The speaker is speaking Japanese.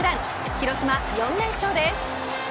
広島４連勝です。